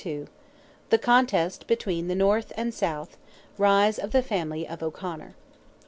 THE CONTEST BETWEEN THE NORTH AND SOUTH—RISE OF THE FAMILY OF O'CONOR.